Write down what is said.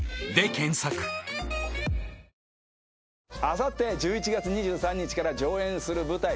あさって１１月２３日から上演する舞台